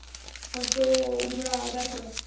হজ্জ ও উমরা আদায় কর।